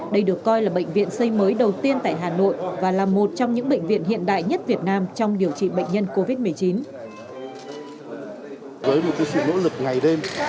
đây được coi là bệnh viện xây mới đầu tiên tại hà nội và là một trong những bệnh viện hiện đại nhất việt nam trong điều trị bệnh nhân covid một mươi chín